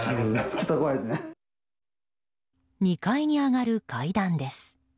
２階に上がる階段です。